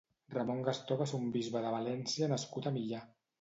Ramon Gastó va ser un bisbe de València nascut a Millà.